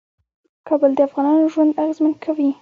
کابل د افغانانو ژوند اغېزمن کوي.